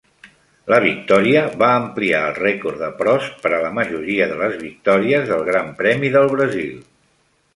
La victòria va ampliar el rècord de Prost per a la majoria de les victòries del Gran Premi del Brasil.